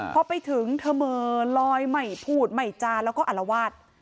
พอไปถึงเธอเมอร์ลอยใหม่พูดใหม่จานแล้วก็อัลวาส